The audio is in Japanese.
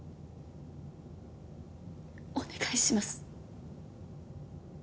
お願いします。